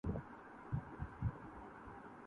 غالب کی زمین میں چند اشعار کہنے کی جسارت